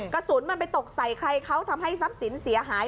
กระสุนมันไปตกใส่ใครเขาทำให้ทรัพย์สินเสียหาย